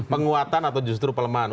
penguatan atau justru pelemahan